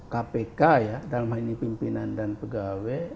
kpk ya dalam hal ini pimpinan dan pegawai